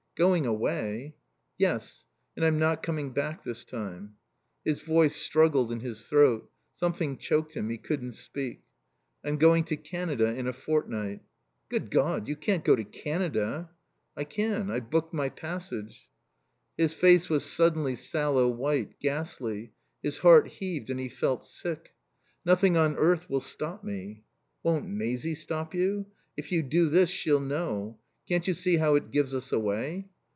"Going away " "Yes. And I'm not coming back this time." His voice struggled in his throat. Something choked him. He couldn't speak. "I'm going to Canada in a fortnight." "Good God! You can't go to Canada." "I can. I've booked my passage." His face was suddenly sallow white, ghastly. His heart heaved and he felt sick. "Nothing on earth will stop me." "Won't Maisie stop you? If you do this she'll know. Can't you see how it gives us away?"